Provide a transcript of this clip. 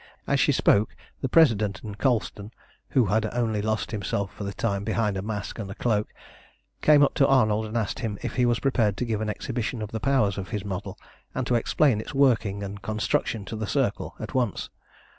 As she spoke the President and Colston who had only lost himself for the time behind a mask and cloak came up to Arnold and asked him if he was prepared to give an exhibition of the powers of his model, and to explain its working and construction to the Circle at once.